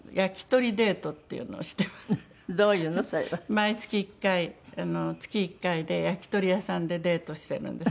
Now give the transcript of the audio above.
毎月１回月１回で焼き鳥屋さんでデートしてるんです。